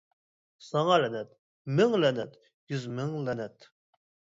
ساڭا لەنەت، مىڭ لەنەت، يۈز مىڭ لەنەت.